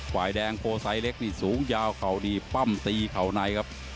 ฝ่ายแดงโกซัยเล็กสูงยาวเข้าดีปั้มตีเข้าในครับ